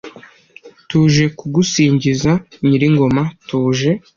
tuje kugusingiza nyiringoma tuje